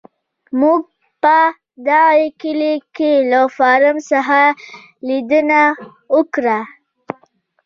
موږ په دغه کلي کې له فارم څخه لیدنه وکړه.